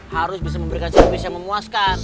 harus bisa memberikan service yang memuaskan